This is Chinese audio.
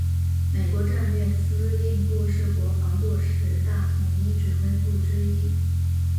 美国战略司令部是国防部十大统一指挥部之一。